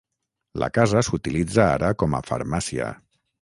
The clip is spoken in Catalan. La casa s'utilitza ara com a farmàcia.